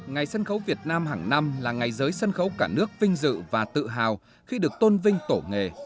ngày sân khấu việt nam hàng năm là ngày giới sân khấu cả nước vinh dự và tự hào khi được tôn vinh tổ nghề